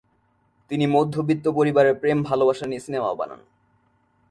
তিনি মধ্যবিত্ত পরিবারের প্রেম ভালোবাসা নিয়ে সিনেমা বানান।